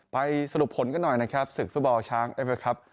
ไปสรุปผลกันหน่อยนะครับศึกศุกร์สุดบอลช้างเอเฟอร์ครับ